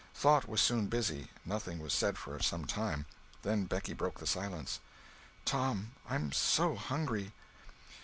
Thought was soon busy; nothing was said for some time. Then Becky broke the silence: "Tom, I am so hungry!"